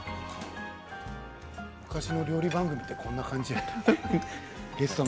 昔の料理番組ってこんな感じだったよね